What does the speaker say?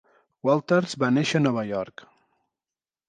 Walters va néixer a Nova York.